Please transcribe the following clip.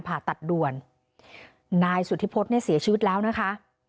ผ่าตัดด่วนนายสุธิพฤษเนี่ยเสียชีวิตแล้วนะคะ